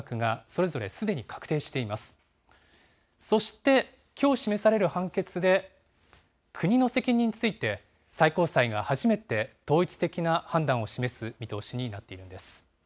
そして、きょう示される判決で、国の責任について、最高裁が初めて統一的な判断を示す見通しになっているんです。